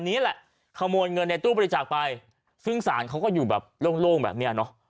นี้แหละขโมยเงินในตู้บริจาคไปซึ่งศาลเขาก็อยู่แบบโล่งแบบเนี้ยเนอะ